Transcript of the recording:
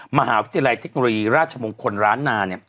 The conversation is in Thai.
มหาวิทยาลัยเทคโนโลยีราชมงคลร้านนา